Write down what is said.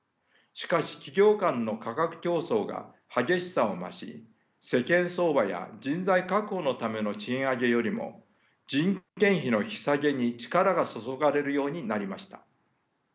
しかし企業間の価格競争が激しさを増し世間相場や人材確保のための賃上げよりも人件費の引き下げに力が注がれるようになりました。